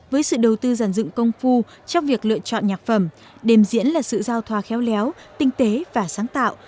với sự đầu tư giàn dựng công phu trong việc lựa chọn nhạc phẩm đềm diễn là sự giao thoa khéo léo tinh tế và sáng tạo